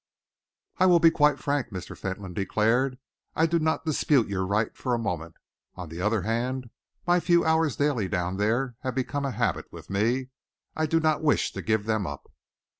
"I will be quite frank," Mr. Fentolin declared. "I do not dispute your right for a moment. On the other hand, my few hours daily down there have become a habit with me. I do not wish to give them up.